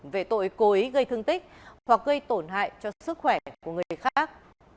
về tội cố ý gây thương tích hoặc gây tổn hại cho sức khỏe của người khác